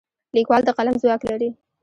لیکوال د قلم ځواک لري.